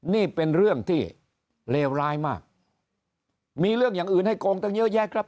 นี่เป็นเรื่องที่เลวร้ายมากมีเรื่องอย่างอื่นให้โกงตั้งเยอะแยะครับ